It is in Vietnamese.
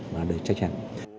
và đều chắc chắn